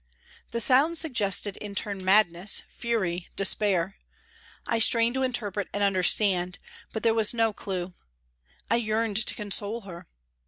The sounds suggested in turn madness, fury, despair. I strained to interpret and understand, but there was no clue. I yearned to console her.